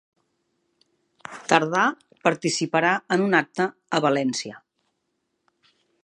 Tardà participarà en un acte a València